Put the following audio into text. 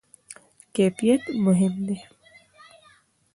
کیفیت مهم دی